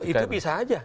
itu bisa saja